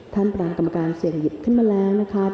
ประธานกรรมการเสี่ยงหยิบขึ้นมาแล้วนะครับ